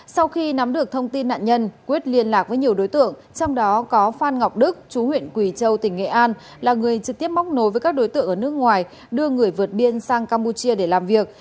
sau khi nắm được thông tin nạn nhân quyết liên lạc với nhiều đối tượng trong đó có phan ngọc đức chú huyện quỳ châu tỉnh nghệ an là người trực tiếp móc nối với các đối tượng ở nước ngoài đưa người vượt biên sang campuchia để làm việc